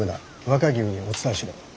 若君にお伝えしろ。